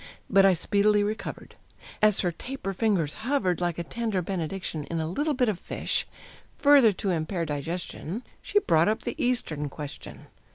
But I speedily recovered. As her taper fingers hovered, Like a tender benediction, in a little bit of fish, Further to impair digestion, she brought up the Eastern Question.